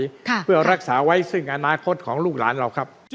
ค่ะเพื่อรักษาไว้ซึ่งอนาคตของลูกหลานเราครับ